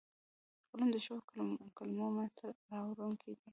قلم د ښو کلمو منځ ته راوړونکی دی